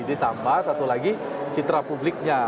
ditambah satu lagi citra publiknya